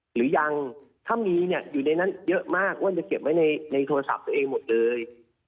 หรือยังถ้ามีเนี่ยอยู่ในนั้นเยอะมากอ้วนจะเก็บไว้ในโทรศัพท์ตัวเองหมดเลย